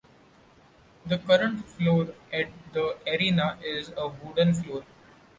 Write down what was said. The current floor at the arena is a wooden floor.